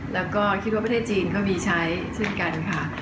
แล้วก็คิดว่าประเทศจีนก็มีใช้ซึ่งกันค่ะ